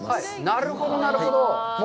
なるほど、なるほど。